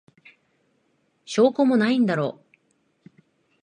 証拠もないんだろ。